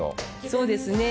そうですね。